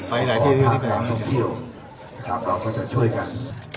ไปหลายที่มานี่แปลงน่ะขอบคุณครับเราก็จะช่วยกัน